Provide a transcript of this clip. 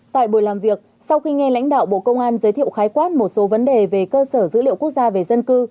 tại buổi làm việc sau khi nghe lãnh đạo bộ công an giới thiệu khái quát một số vấn đề về cơ sở dữ liệu quốc gia về dân cư